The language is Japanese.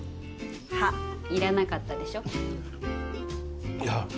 歯いらなかったでしょいや